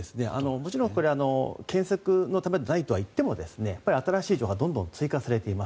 もちろんこれは検索のためとはいっても新しい情報がどんどん追加されています。